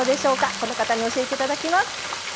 この方に教えていただきます。